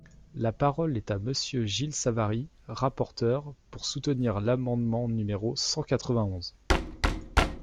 La parole est à Monsieur Gilles Savary, rapporteur, pour soutenir l’amendement numéro cent quatre-vingt-onze.